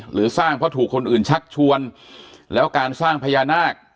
หรือสร้างเพราะถูกคนอื่นชักชวนแล้วการสร้างพญานาค